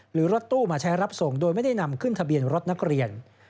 รถตู้มาใช้รับส่งโดยไม่ได้นำขึ้นทะเบียนรถนักเรียน